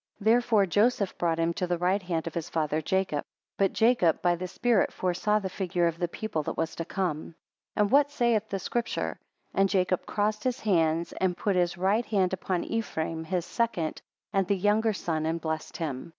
6 Therefore Joseph brought him to the right hand of his father Jacob. But Jacob by the spirit foresaw the figure of the people that was to come. 7 And what saith the Scripture? And Jacob crossed his hands, and put his right hand upon Ephraim, his second, and the younger son, and blessed him.